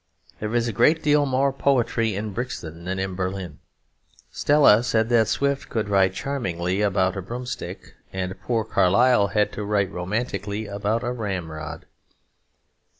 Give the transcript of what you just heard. There is a great deal more poetry in Brixton than in Berlin. Stella said that Swift could write charmingly about a broom stick; and poor Carlyle had to write romantically about a ramrod.